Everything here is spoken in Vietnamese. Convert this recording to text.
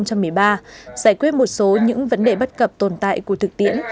giải quyết một số những vấn đề bất cập tồn tại của thực tiễn